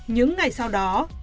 những ngày sau đó